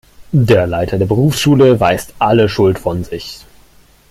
Der Leiter der Berufsschule weist alle Schuld von sich.